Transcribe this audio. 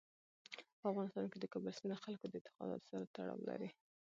په افغانستان کې د کابل سیند د خلکو د اعتقاداتو سره تړاو لري.